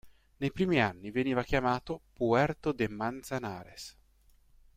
Nei primi anni veniva chiamato "Puerto de Manzanares".